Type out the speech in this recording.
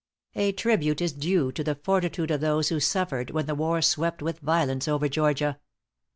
A tribute is due to the fortitude of those who suffered when the war swept with violence over Georgia.